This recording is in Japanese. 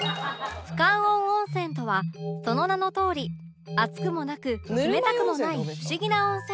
不感温温泉とはその名のとおり熱くもなく冷たくもない不思議な温泉